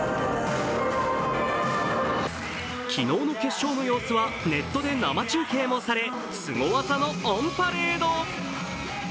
昨日の決勝の様子はネットで生中継もされすご技のオンパレード。